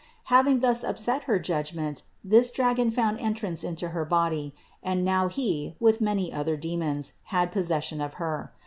Having thus upset her judgment this dragon found entrance into her body, and now he, with many other demons, had pos session of her.